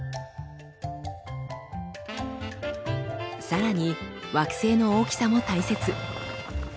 さらに惑星の大きさも大切。